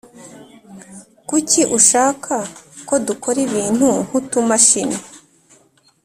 Kuki ushaka ko dukora ibintu nkutumashini